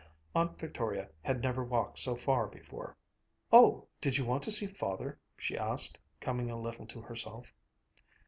Aunt Victoria had never walked so far before. "Oh, did you want to see Father?" she asked, coming a little to herself.